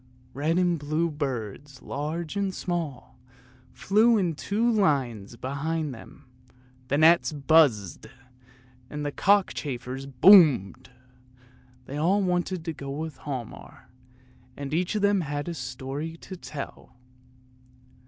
Red and blue birds, large and small, flew in two long lines behind them; the gnats buzzed, and the cockchafers boomed ; they all wanted to go with Hialmar, and each of them had a story to tell.